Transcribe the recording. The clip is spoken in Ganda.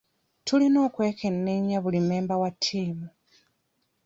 Tulina okwekenneenya buli mmemba wa ttiimu.